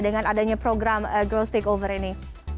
dengan adanya program girls takeover ini